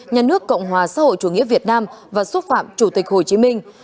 nhà nước cộng hòa xã hội chủ nghĩa việt nam và xúc phạm chủ tịch hồ chí minh